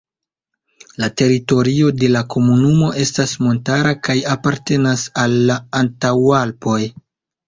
La teritorio de la komunumo estas montara kaj apartenas al la Antaŭalpoj.